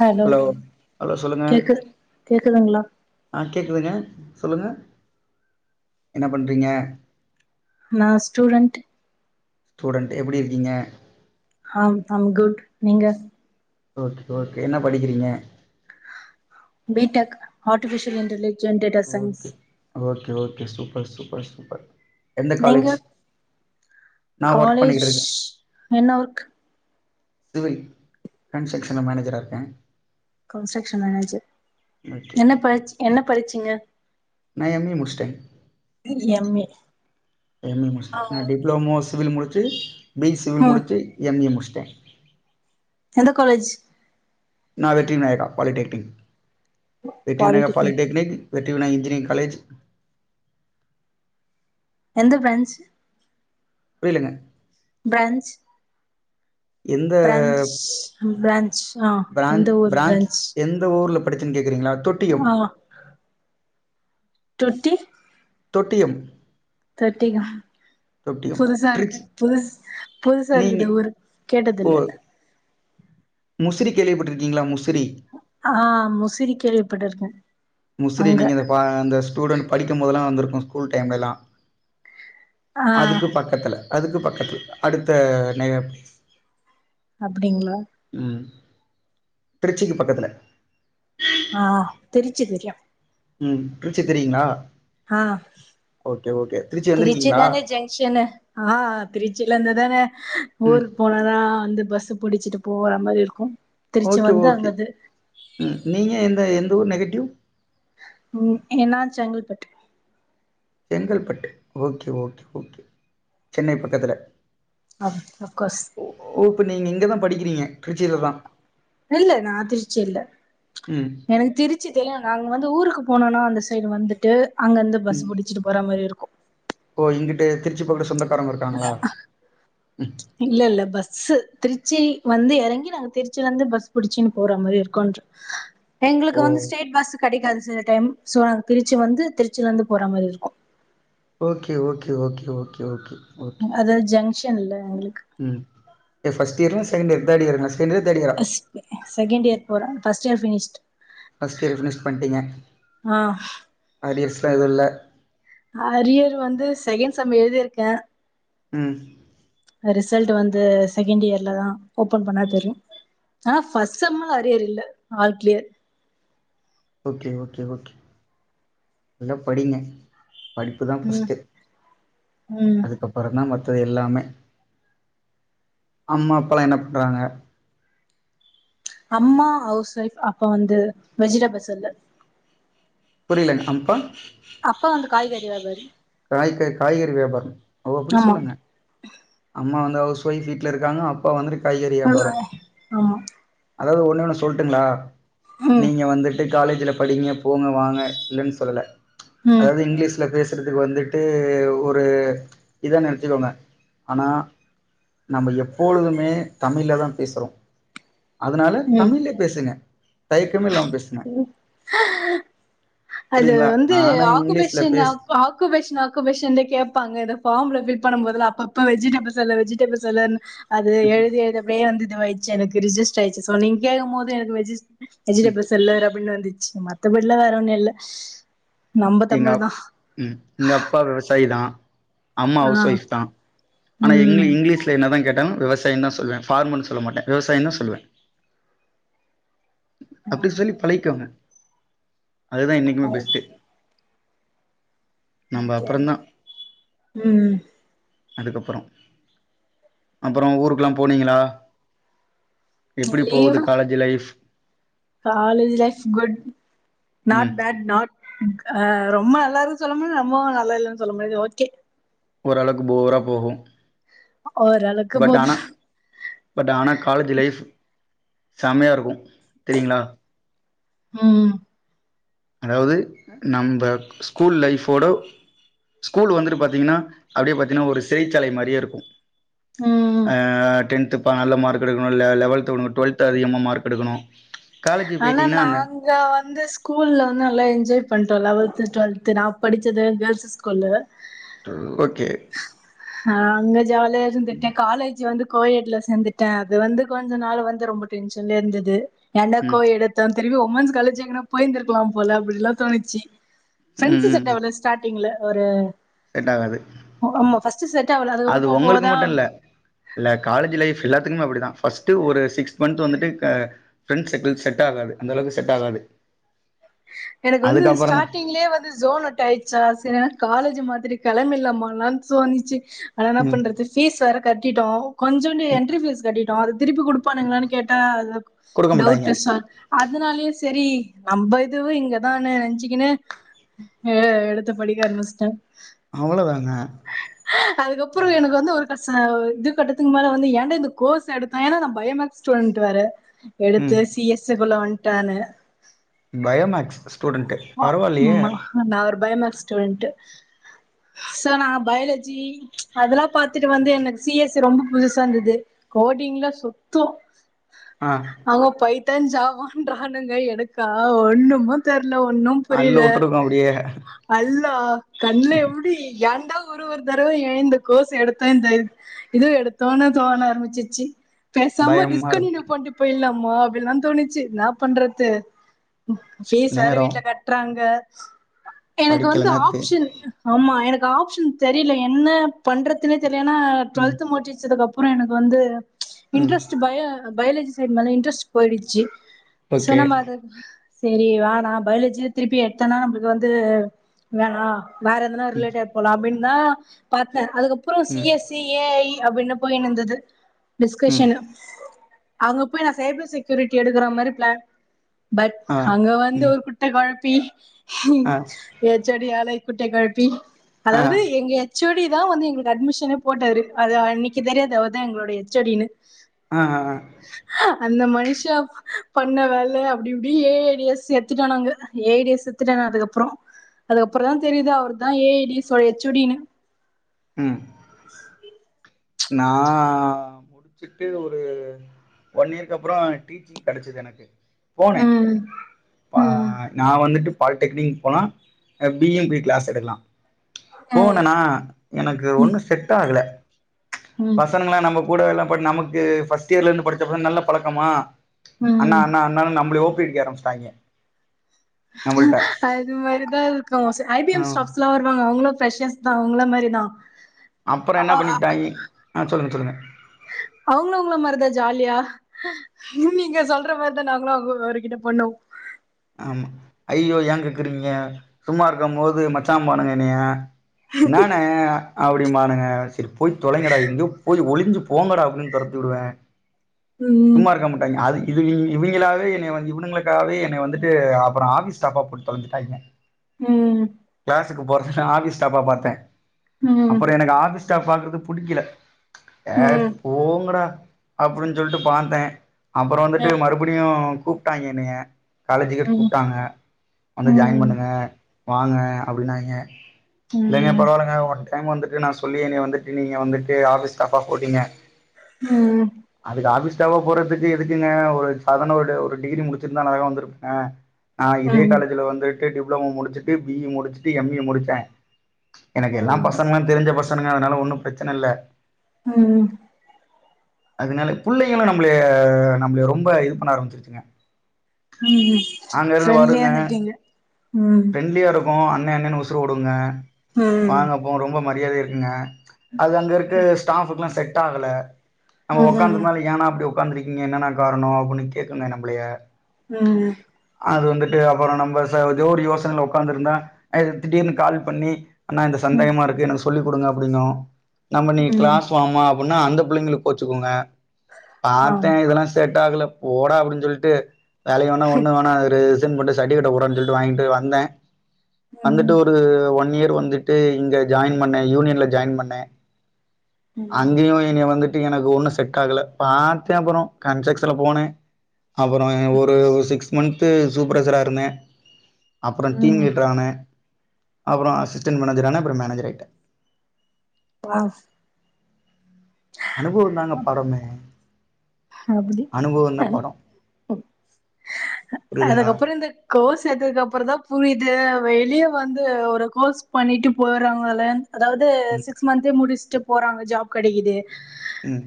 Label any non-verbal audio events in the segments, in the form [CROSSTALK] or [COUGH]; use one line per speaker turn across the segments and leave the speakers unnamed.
Hello
hello சொல்லுங்க
கேக்குது கேக்குதுங்களா
ஆ கேக்குதுங்க சொல்லுங்க என்ன பண்றீங்க
நான் ஸ்டூடெண்ட்
ஸ்டூடண்டட் எப்படி இருக்கீங்க
ஆஹம் ஹம் குட் நீங்க
ஓகே ஓகே என்ன படிக்கிறீங்க
B Tech artificial intelligence data science
okay okay okay super super super எந்த
நீங்க
காலேஜ் நா ஒர்க்
காலேஜ்
பண்ணிக்கிட்டு இருக்கே
என்ன ஒர்க்
சிவில் கன்ஸ்ட்ரக்க்ஷன்ல மேனேஜரா இருக்கே
கன்ஸ்ட்ரக்க்ஷன் மேனேஜர்
ஓகே
என்ன படிச் என்ன படிச்சிங்க
நா எம் இ முடுச்சுட்டங்க
எம் ஏ
எம் ஏ
ஆ
முடின் நான்
ஓகே
டிப்ளோமோ சிவில் முடிச்சு பி இ சிவில்
ம்
முடிச்சு எம் இ முடுச்ட்ட சரி
எந்த காலேஜ்
நா வெற்றி விநாயகா பாலிடெக்னிக் வெற்றி விநாயகா பாலிடெக்னிக் வெற்றி வினா இன்ஜீனிரிங் காலேஜ்
எந்த பிரண்ச்
ஃபீலுங்க
பிராஞ்ச்
எந்த
பிரஞ்ச் பிரஞ்ச் னா ஆஹ் எந்த ஊர் பிரன்ச்
[UNINTELLIGIBLE] கேக்கறிங்களா தொட்டியும்
தொட்டி
தொட்டியம்
தொட்டிகம்
தொட்டியம்.
புதுசா இருக்கு
ட்ரிச்
புதுஸ் புதுசா
நீங்க
இருக்குது ஊர்
ஓ!
கேட்டதுல்ல
முசிறி கேள்விப்பட்டிர்க்கீங்ளா முஸ்
ஆ முசிறி கேள்விப்பட்டிர்க்கே
முசிறி நீங்க அந்த பா அந்த ஸூடண்ட் படிக்கும்போதெல்லா வந்துர் நு ஸ்கூல் டைம்லலா
ஆ
அதுக்கு பக்கத்துல அதுக்கு பக்கத்தில் அடுத்த நேய
அப்டிங்ளா
ட்ருச்சிக்கு பக்கத்துல
ஆ திருச்சு தெரியு
உம் ட்ருச்சு தெரியீங்ளா
ஹா திருச்சி தானே ஜங்க்ஷனு ஹா திருச்சில இந்து தானே
ம்.
ஊருக் போனாதா வந்து பஸ்ஸு புடிச்சிட்டு போற மா இருக்கு திருச்சி
ஓகே
வந்து
ஓகே
அங்கது
உம் நீங்க எந் த எந்த ஊர் நெகட்டிவ்
உம் எனா Chengalpattu
Chengalpattu okay okay okay Chennai பக்கத்துல
அஃப் அஃப் கோஸ்
ஓ ஓ இப்ப நீங்க இங்கதா படிக்கிறீங்க திருச்சில தா
இல்ல நா திருச்சி இல்ல
ம்
எனக்கு திருச்சி தெரியு நாங்க வந்து ஊருக் க்கு போனனா அந்த சைடு வந்துட்டு அங்க இருந்து பஸ்
ம்
புடிச்சிட்டு போற மாரி இருக்கு
ஓ இங்கிட்டு திருச்சி போகிட சொந்தக்
இல்லல்ல பஸ்சு திருச் ச்சி வந்து எறங்கி நாங்க திருச்சில இருந்து பஸ் பிடிச்சின்னு போற மாரி இருக்கு எங்களுக்கு
ஓ
வந்து ஸ்டேட் பஸ் கெடைக்காது சில டைம் சோ நாங்க திருச்சி வந்து திருச்சில இருந்து போற மாரி இருக்கு
okay okay okay okay okay okay
அதாது ஜங்ஷன் இல்ல எங்களுக்கு
இது ஃபர்ஸ்ட் இயரா செகண்ட் இயர் தேட் இயருங்ளா
செகெண்ட் இயர் போர first year finished
first year finish பன்ட்டீங்க
ஆ
அரியர்ஸ் இப்ப அதுல்ல
சம் எழுதிருக்க
ம்
அ ரிசல்ட்டு வந்து செகண்ட் இயர்லதா ஓப்பன் பண்ணா தெரியு ஆ ஃபஸ்ட் செம்ல அரியர் இல்ல all clear
okay okay okay நல்லா படிங்க படிப்புதா
ம்
ஃபஸ்ட்டு
ம்
அதுக்கப்பறந்தா மத் பது எல்லாமே அம்மா அப்பாலா என்ன பண்றாங்க
அம்மா அவுஸ் ஒய்ஃப் அப்பா வந்து வெஜிடபிள் செல்லர்
புரியலங் அப்பா
அப்பா வந்து காய்கறி வியாபாரி
காய்க காய்கறி வியாபாரொ ஓ அப்டி
ஆமா
சொல்லுங்க அம்மா மா வந்து ஹவுஸ் ஒய்ஃப் வீட்ல இருக்காங்க அப்பா வந்துட்டு காய்கறி
[UNINTELLIGIBLE] ஆமா
அதாவ்து ஒண்ணே ஒண்ணு சொல்ட்டுங்ளா
ம்
நீங்க வந்துட்டு காலேஜுல படிங்க போங்க வாங்க இல்லன் சொல்லல
ம்
அதாவ்து இங்லீஷ்ல பேஸ் துக்கு வந்துட்டு ஒரு இதா நெனச்சிக்கோங்க ஆனா நம்ப எப்போழுதுமே தமிழ்லதா பேசுறோ அதுனால
ம்
தமிழ்லயே பேசுங்க தயக்கமே இல்லாம பேசுங்க
அது
புரியுதுங்களா
வந்து
நானா இங்கிலீஷ்ல
ஆக்குபேஷன்
பேச
ஆக் ஆக் குபேஷன் ஆக்குபெஷன்ல கேப்பாங்க எதா ஃபாம்ல ஃபில் பண்ணம் போதுல்லா அப்பப்ப வெஜிடேபிள் செல்லர் வெஜிடேபிள் செல்லர்னு அது எழுதி எழுதப்படியே வந்து இதுவாயிட்ச்சி எனக்கு ரிஜிஸ்ட்ராயிட்ச்சி ஸோ நீங் கேக்கம் போது எனக்கு வெஜிஸ் வெஜிடேபிள் செல்லர் அப் பின்னு வந்துச்சு மத்தப்படிலா வேற ஒன்னு இல்ல ஸ்
எங்க அப் ம் எங்க அப்பா விவசாயிதா அம்மா ஔஸ்
ஆ
ஒய்ஃப்தா ஆனா இங்லி
ம்
இங்லீஷ்ல என்னதா கேட் டாலு விவசாயிந்தா சொல்லுவ ஃபார்மர்னு சொல்ல மாட்ட விவசாயந்தா சொல்லுவ அப்டி சொல்லி பழயிக்கோங்க அதுதா என்னைக்குமே பெஸ்ட்டு நம்ம
ஓகே
அப்புறம்தான்
ம்
அதுக்கப்பறொ அப்றொ ஊருக்குல்லா போனீங்களா எப்டி போவுது
leave
college life
college life good
ம்
நாட் பேட் நாட் ஆ ரொம்ப நல்லா இருக்குன் சொல்ல முடியாது ரொம்பவு நல்லா இல்லனு சொல்ல முடியாது ஓகே
ஒரளக்கு போரா போகூ
ஓரளவுக்கு
பட்
போது
ஆனா பட் ஆனா காலேஜ் லைஃப் செமையா இருக்கூ தெரியுங்ளா
ம்
அதாவ்து நம்ப ஸ்கூல் லைஃபோட ஸ்கூல் வந்துட்டு பாத்தீங்னா அப்டியே பாத்தீங்னா ஒரு சிறைச்சாலை மாரியே இருக்கூ
ம்
ஆ டென்த்துப் ப நல்ல மார்க் எடுக்கணூ லெ லெவல்த் [UNINTELLIGIBLE] டுவெல்த் அதிகமா மார்க் எடுக்கணு காலேஜு
ஆனா
போயிட்டீங்கன்னா அந்த
நாங்க வந்து ஸ்கூல்ல நல்லா என்ஜாய் பண்டோம் லெவல்து டுவெல்து நா படிச்சது கேர்ள்ஸு ஸ்கூலு
ஓகே
நா அங்க ஜாலியா இருந்துட்டே காலேஜ் வந்து கோயட்டுல சேந்துட்டே அது வந்து கொஞ்சோ நாள் வந்து ரொம்ப டென்ஷன்லெயே இருந்துது
ம்
கோஎட் எடுத்தோன் திரும்பி உமன்ஸ் காலேஜ் எங்கனா போய்ந்திருலாம் போல அப்டிலா தோணிச்சி
ம்
ஃப்ரண்ட்ஸ்
ம்
செட்
ம்
ஆவல ஸ்டாடிங்ல ஒரு
செட் ஆகாது
ஆமா ஃபர்ஸ்ட் செட் ஆவல அதுக்கப்றோ
அது
போக
உங்களுக்கு
போகதா
மட்டுல்ல இல்ல காலேஜ் லைஃப் சிலப் பின் அப்டித்தா ஃபஸ்டூ ஒரு சிக்ஸ் மந்த் வந்துட்டு க ஃப்ரண்ட்ஸ் சர்கிள் செட் ஆகாது அந்தளவுக்கு செட் ஆகாது
எனக்கு வந்து
அதுக்கப்புறந்தா
ஸ்டாட்டிங்லயே வந்து ஜோன் அவுட் ஆயிச்சா செ ஆ காலேஜு மாத்திட்டு கெளம்பிட்லாமான் தோணிச்சி ஆனா என்ன
ம்
பண்றது ஃபீஸ் வேற கட்டிட்டோ கொஞ்சூண்டு
ம்
என்ட்ரி ஃபீஸ் கட்டிட் தாதுப் திருப்பி குடுப்பானுங்களானு கேட்டா
குடுக்க
டவுட்
மாட்டாய்ங்க
சார் அதுனாலே சரி நம்ப இத் இதுவு இங்கதானு நினச்சுகனே எ எடுத்து படிக்க ஆரம்பிச்ட்டே
அவ்ளோதா
அதுக்கப்றோ எனக்கு வந்து ஒரு கஸ் ஸ்னே இதுக்கட்டத்துக்கு மேல வந்து ஏன்டா இந்த கோர்ஸ் எடுத்தே ஏனா நா பயோமேக்ஸ் ஸ்டூடெண்ட் வேற
ம்
எடுத்து சி எஸ் குள்ள வன் ட்டானு
பயோமேக்ஸ் ஸ் டூடெண்ட் பரவால்லயே
ஆமா, நான் ஒரு பயோமேக்ஸ் ஸ்டூடெண்ட்டு ஸ்சோ நா பயாலஜி அதெல்லா பாத்துட்டு வந்து எனக்கு சிஎஸ்சு ரொம்ப புதுசா இருந்தது கோடிங்ல சுத்தோ
ஆ
அவங்க பைப் டன் ஜாவான்றானுங்க எனக்கா ஒண்ணுமு தெர் ல ஒன்னு புரியல
அல்ல உட்ருக்கு அப்டியே
அல்லா கண்ணல எப்டி ஏண்டா ஒரு ஒரு தடவ எ இந்த கோர்ஸ் எடுத்த இந்த இது எடுத்தோன்னு தோண ஆரம்பிச்சிச்சு பேசாம
பயமா இருக்கு
டிஸ்கண்டினியூ பண்ட்டு போய்லாம் மா அப்டின்லா தோணிச்சு என்னா பண்றது ம் சார்
நேரோ
வீட்ல கட்றாங்க எனக்கு வந்து
படிக்கலனா தி
ஆப்ஷன் ஆமா எனக் ஆப்ஷன் தெரில என்ன பண்றதுனேத் தெர்ல ஏன்னா
ம்
டுவெல்த் முடிச்சசதுக்கு அப் அப்றோ எனக்கு வந்து
ம்
இன்ட்ரெஸ்ட் பய அ பயாலஜி சைடு மேல இன்ட்ரஸ்ட் போய்டுச்சி
ஓகே
சொனமாத செரி வார் நா பயாலஜி திருப்பி எடுத்தன்னா அப்ப இது வந்து வேணா வேற எதுனா
ம்
ரிலேட்டட் போலா அப்டின்னு நா பாத்த அதுக்கப்புறோ சி
ம்
எஸ் சி ஏ ஐ அப்ப இன்ன போயினுந்தது
ம்
டிஸ்கஷன்னு அவங்க போய் நா சைபர் செக்யூரிட்டி எடுக்கற மாரி ப்ளன் பட்
ஆ
அங்க வந்து ஒ
ம்
பாத்தி ம்
ஆ ஆ
ஏச்சொடி ஆலை குட்டய் கொழ்ப்பி
ஆ
அதாவது எங்கய எச் ஓ டி தா வந்து எங்களுக்கு அட்மிஷனே போட்டாரு அது அன்னிக்கு தெரியாது அவர்தா எங்களோட எச் ஓ டி னு
ஆ ஆ ஆ
அந்த மனுஷா பண்ண வேல அப்டி இப்டியே எடிய செத் த்துட்டோ நாங்க ஏ ஏ டி எஸ் செத்துட்டே நா அதுக்கப்றொ அதுக்கப்பறோ தா தெரியுது அவர்தா ஏ ஏ டி எஸ் ஓட எச் ஓ டி னு
ம் நா முடிச்சுட்டு ஒரு ஒன் இயர்க்கப்றோ டீச்சிங் கெடச்சதெனக்கு போன
ம் ம்
நா வந்துட்டு பால்டெக்னிக் போலா ஹ பி இ போய் க்ளாஸ் எடுக்லா போனனா எனக்கு ஒன்னு செட்டா டாகல
ம்
பசனுங்ளா நம்போ கூட எல்லா பட் நமுக்கு ஃபஸ்டியர்லிருந்து படிச்சப்ப நல்லா பழக்கமா அண்ணா
ம்
அண்ணா அண்ணானு நம்மளயோ [UNINTELLIGIBLE] ஆரம்ச்சிட்டாய்ங்க
ஹ அது மாரிதா இருக்கு ஸு ஐ பி
ஆ
எம் ஸ்டாஃப்ஸ்லா வருவாங்க அவுங்ளு ஃபிரஷர்ஸ் தா உங்கள மாரி தா
அப்பற என்ன பண்ணிபுட்டாய்ங்கி ஆ சொல்லுங்க சொல்லுங்க
அவுங்ளு உங்கள மாரிதா ஜாலியா நீங்க சொல்ற மார்தா நாங்களு அவுங்கொ அவுர்கிட்ட பண்ணோ
ஆமா ஐயயோ ஏங் கேக்குறீங்க சும்மா இருக்கம் போது மச்சாம்பானுங்க என்னய என்னானே அப்படிம்பானுங்க செரி போய் தொலைங்கடா எங்கோ போய் ஒளிஞ்சு போங்கடா அப்டின் தொரத்தி உடுவ
ம்
சும்மா இருக்க மாட்டாய்ங்க அது இது இ இவிங்களாவே என்னைய வந் இவனுங்களுக்காவே என்னைய வந்து ட்டு அப்பறொ ஆஃபீஸ் ஸ்டாஃப்பா போட்டு தொலஞ்சுட்டாய்ங்க
ம்
க்ளாஸ் க்கு போறதில்ல ஆஃபிஸ் ஸ்டாஃப்பா பாத்தே
ம்
அப்பறொ எனக்கு ஆஃபிஸ் டாஃப் பாக்கறது புடிக்கல ஏய்
ம்
போங்கடா அப்டின்னு சொல்ட்டு பான்த்த அப்பறொ வந்துட்டு
ம்
மறுபடியு கூப்ட்டாங்க என்னைய காலேஜ்க்கே கூப்ட்டாங்க வந்து ஜாயின்
ம்
பண்ணுங்க வாங்க அப்படின்னாங்க
ம்
இல்லைங்க
ம்
பரவாயில்லங்க வண்ட் டைம் வந்துட்டு நா சொல்லி என்னய வந்துட்டு நீங்க வந்துட்டு ஆஃபீஸ் ஸ்டாஃபாக போட்டீங்க அதுக்கு ஆஃபிஸ் ஸ்டாப்பா போட்றதுக்கு எதுக்குங்க ஒரு சாதாரண ஒரு டிகிரி முடிச்சிருந்தா இந்நேரம் வந்திப்ப ஆ ஆ இதே
ம்
காலேஜுல வந்து டு டிப்ளமோ முடிச்சிட்டு பி இ முடிச்சிட்டு எம் ஏ முடிச்ச எனக்கு எல்லா
ம்
பசங்களு தெரிஞ்ச பசங் பண்ணுங்க அதுனால ஒன்னும் ப்ரச்சன இல்ல
ம்
அதுனால புள்ளைங்களு நம்ளைய நம்ளைய ரொம்ப இது பண்ண ஆரம்ச்சிருச்சுங்க
ம் ம் ஃப்ரெண்ட்லியா இந்துட்டீங்க ம்
அண்ண அண்ணன்னு உசுர விடுங்க
ம்
வாங்க போங்க ரொம்ப மரியாதையா இரு க்குங்க அது அங்க இருக்க ஸ்டாஃபுக்லா செட் ஆகல நம்ம
ம்
உக்காந்தனாலி ஏனா அப் டி உக்காந்துருக்கிங்க என்னன்னா காரண அப்டினு கேக்குங்க நம்மளய
ம் ம்
அது வந்துட்டு அப்புற நம்ம எதோ ஒரு யோசனையில உக்காந்து இருந்தா நைட் திடீர்னு கால் பண்ணி அண்ணா இந்த சந்தேகமா இருக்கு எனக்கு சொல்லிக் குடுங்க அப்டிங்கு நம்ம நீ
ம்
கிளாஸ் வாமா அப்பன்னா அந்த பிள்ளைங்களுக் கோச்சுக்குங்க
ஆ
பாத்தே இதெல்லா செ ட் ஆகல போடா அப்டின் சொல்ட்டு வேலையு வேணா ஒண்ணு வேணா இரு போட்டு சட்டிஃபிகேட்ட குட்றான் சொல்லிட்டு வாங்கிட்டு வந்த வந்துட்டு
ம்
ஒரு ஒன் இயர் வந்துட்டு இங்க ஜாயின் பண்ணே யூனியன்ல ஜாயின் பண்ணே
ம்
அங்கியு எனிய வந்துட் டு எனக்கு ஒண்ணு செட் ஆகல பாத்தே அப்பறொ கண்செக்ஸன்ல போனே அப்பறொ ஒர் ஒரு சிக்ஸ் மன்த்து சூப்பரசரா இருந்த அப்ற டீம்
ம்
லீடரான அப்புற அசிஸ்டன்ட் மேனேஜர் ஆன அப்றொ மேனேஜர் ஆயிட்ட
ஆ
அனுபவந்தாங்க பாடமே
அப்டி
அனுபவந்தா பாடோ புரியுதுங்களா
அதுக்கப்பறொ இந்த கோர்ஸ் சேத்ததுக்கு அப்பறந்தா புரியி இது வெளிய வந்து ஒரு கோர்ஸ் பண்ணிட்டு போறாங்கள அதாவது
ம்
சிக்ஸ் மந்தே முடிஷ் டு போறாங்க ஜாப் கடக்கிது
ம்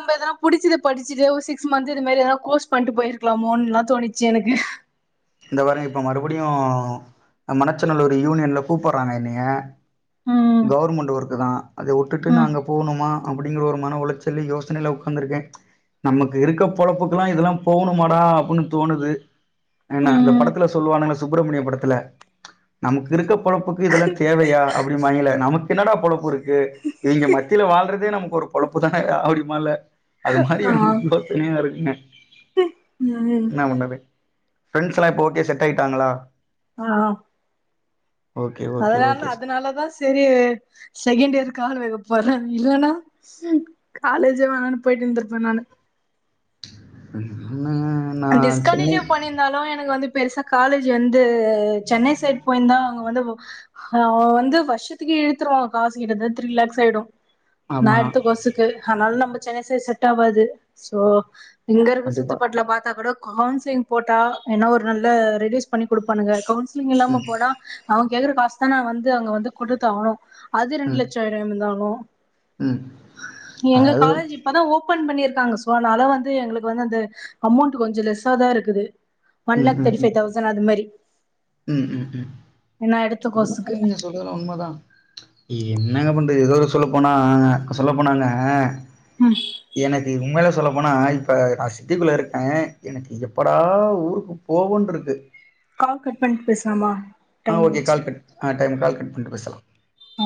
ப்ப தான் புடிச்சிதுப் படிச்சுட்டு ஒரு சிக்ஸ் மந்த் இது மேரி எதா கோர்ஸ் பண்ட்டு போயிருக்லாமோன்லான் தோணிச்சு எனக்கு
இந்த வாறொம் இப்ப மறுபடியும் மனச்சநல்லூர் யூனியன்ல கூப்பற்றாங்க என்னய
ம்
கவுர்மண்டு ஒர்க்கு தான் அத உட்டுட்டு நா
ம்
அங்க போவுணுமா அப்புடிங்குற ஒரு மன உளச்சலே யோசனைல ஒக்காந்துருக்கேன் நம்மக்கு இருக்க பொழப்புக்குலாம் இதல்லாம் போவுணுமாடா அப்புன்னு தோணுது ஏனா இந்த
ம்
படத்துல சொல்லுவானுங்கஸ் சுப்ரமணிய படத்துல நமக்கு இருக்க பொழப்புக்கு இதல்லாம் தேவையா அப் ப்டிம்பாய்கல்ல நமக்கு என்னடா பொலப்பு ருக்கு இவிங்க மத்தில வால்றதே நமக்கு ஒரு பொலப்பு தானயா அப்டிம்பால்ல அது மாரி
ஆ
எனக்கு யோசனயா இருக்கு
ம்
ன்னா பண்ணது ஃப்ரெண்ஸ் எல்லாம் ஓகே செட் ஆயிட்டாங்களா
ஆ ஆ
ஓகே ஓகே
அதனால
ஓகே சார்
அதனால தான் ச செரீ செகண்ட் இயருக்காலு வெக போறன் இல்லனா காலேஜே வேணானு போயிட்டு இந்துருப்பன் நானு
[INAUDIBLE] நா
ஆ
சென்னை
டிஸ்கண்டினியூ பண்ணிர்ந்தாலும் எனக்கு வந்து பெருசா காலேஜ் வந்து சென்னை சைட் போயிந்தான் அங்க வந்து அவன் வந்து வர்ஷத்துக்கே இழுத்துருவான் காசு கிட்டத த்ரீ லேக்ஸ் ஆயிடும் நா
ஆமா
எடுத்த கொசுக்கு அத்னால நம்ப சென்னை சைட் செட் ஆவாது சோ இங்கர்க சுத்து
கண்டிப்பா
பட்ல பாத் தகுட கோவன்ஸ்லிங் போட்டா என்ன ஒரு நல்ல ரெடுஸ் பண்ணி கொடுப்பானுக கவுன்ஸ் ஸ்லிங் இல்லாம
ம்
போன்னா அவுங் கேக்குற காஸ்தா நா வந்து அங்க வந்து குடுத்தோ ஆகணு அது ரெண்டு
ம்
லெட்சோ வேற இதாகு
ம்
எங்க
அதாவது
காலேஜ் இப்பதா ஓப்பன் பண்ணிருக் னாங்க சோ னால வந்து எங்ளுக்கு வந்து அந்த அமௌண்ட் கொஞ்சம் லெஸ்ஸாதா இருக்குது ஒன்
ம் ம்
லேக் தேர்ட்டி
ம்
ஃபைவ் தௌசண்ட் அது மாரி
ம் ம் ம்
நா எடுத்த
[INAUDIBLE]
கோர்ஸுக்கு
நீங்க சொல்றதல்லா உண்மைதா என்னங்க பண் றது ஏதோ ஒரு சொல்ல போனா சொல்லபோனாங்க
ம்
எனக்கு உன்மல சொல்ல போனா இப்ப நா சிட்டிகுள்ள இருக்க எனக்கு எப்படா ஊருக் போவோன்ருக்கு
கால் கட் பண்ட்டு பேஸ்லாமா
ஆ ஓகே கால் கட் ஆ டைம் கால் கட் பண்ணிட்டு பேசலா
அ